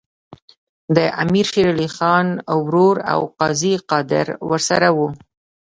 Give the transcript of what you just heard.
د امیر شېر علي خان ورور او قاضي قادر ورسره وو.